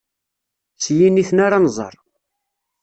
S yiniten ara nẓer.